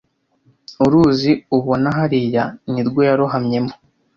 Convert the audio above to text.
Uruzi ubona hariya nirwo yarohamye mo